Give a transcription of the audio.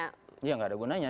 ya tidak ada gunanya